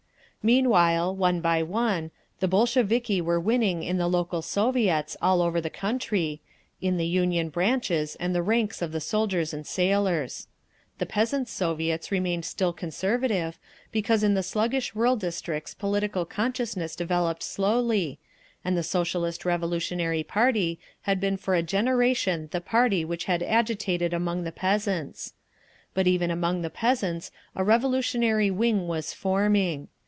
Meanwhile, one by one, the Bolsheviki were winning in the local Soviets all over the country, in the Union branches and the ranks of the soldiers and sailors. The Peasants' Soviets remained still conservative, because in the sluggish rural districts political consciousness developed slowly, and the Socialist Revolutionary party had been for a generation the party which had agitated among the peasants…. But even among the peasants a revolutionary wing was forming.